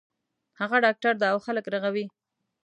هغه ډاکټر ده او خلک رغوی